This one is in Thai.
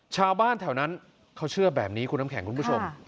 ชาวบ้านแถวนั้นเขาเชื่อแบบนี้คุณน้ำแข็งคุณผู้ชม